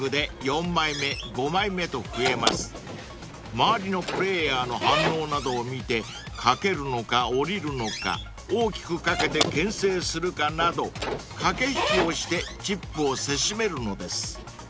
［周りのプレーヤーの反応などを見て賭けるのか降りるのか大きく賭けてけん制するかなど駆け引きをしてチップをせしめるのです］